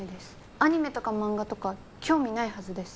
アニメとか漫画とか興味ないはずです。